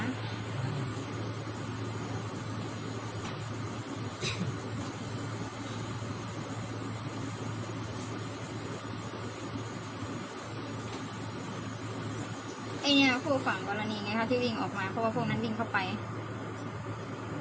ไอเนี่ยคือผู้ฝั่งวันนี้ไงครับที่วิ่งออกมาเพราะว่าพวกนั้นวิ่งเข้าไป